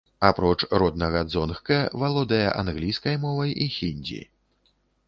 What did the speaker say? Апроч роднага дзонг-кэ, валодае англійскай мовай і хіндзі.